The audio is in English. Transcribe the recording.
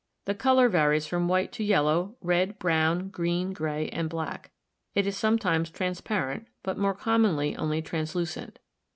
The color varies from white to yellow, red, brown, green, gray, and black. It is sometimes transparent, but more commonly only translucent.